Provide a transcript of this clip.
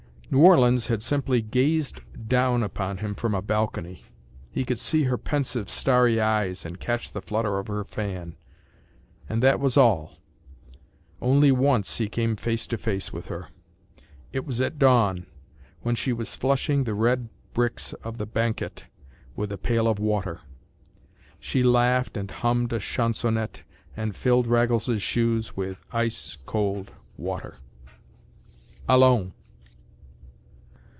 New Orleans had simply gazed down upon him from a balcony. He could see her pensive, starry eyes and catch the flutter of her fan, and that was all. Only once he came face to face with her. It was at dawn, when she was flushing the red bricks of the banquette with a pail of water. She laughed and hummed a chansonette and filled Raggles’s shoes with ice cold water. Allons!